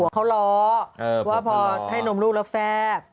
เขาล้อว่าพอให้นมลูกแล้วแฟบ